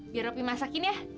biar opi masakin ya